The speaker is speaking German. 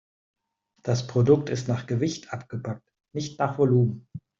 Das Produkt ist nach Gewicht abgepackt, nicht nach Volumen.